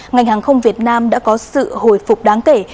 ngành hàng không việt nam đã có sự hồi phục đáng kể